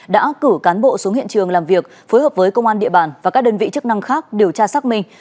đã cử cán bộ xuống hiện trường làm việc phối hợp với công an địa bàn và các đơn vị chức năng khác điều tra xác minh